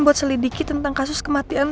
buat selidiki tentang kasus kematian